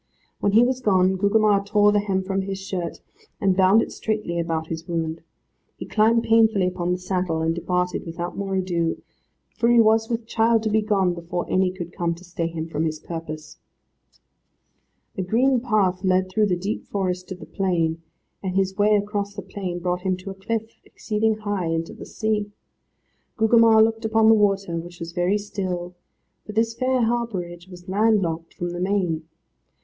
When he was gone, Gugemar tore the hem from his shirt, and bound it straitly about his wound. He climbed painfully upon the saddle, and departed without more ado, for he was with child to be gone before any could come to stay him from his purpose. A green path led through the deep forest to the plain, and his way across the plain brought him to a cliff, exceeding high, and to the sea. Gugemar looked upon the water, which was very still, for this fair harbourage was land locked from the main.